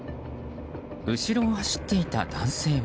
後ろを走っていた男性は。